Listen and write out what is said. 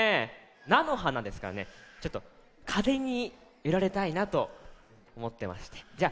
なのはなですからねちょっとかぜにゆられたいなとおもってましてじゃ